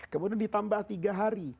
kemudian ditambah tiga hari